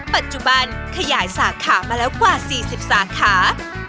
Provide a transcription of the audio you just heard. ปัจจุบันขยายสาขามาแล้วกว่า๔๐สาขา